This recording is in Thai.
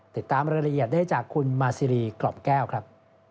ติดตามรายละเอียดได้จากคุณมาซีรีกรอบแก้วครับ